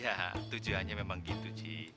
ya tujuannya memang gitu sih